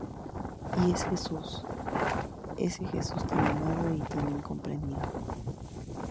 Y es Jesús...¡ese Jesús, tan amado y tan incomprendido!